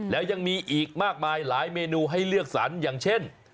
แล้วยังมีอีกมากมายหลายเมนูให้เลือกสรรอย่างเช่น